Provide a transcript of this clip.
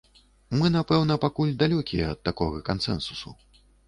Мы, напэўна, пакуль далёкія ад такога кансэнсусу.